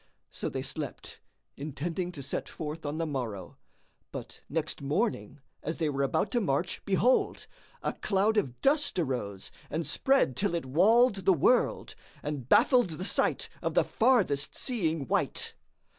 So they slept, intending to set forth on the morrow; but, next morning, as they were about to march, behold, a cloud of dust arose and spread till it walled the world and baffled the sight of the farthest seeing wight.